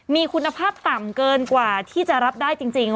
มีคุณภาพต่ำเกินกว่าที่จะรับได้จริง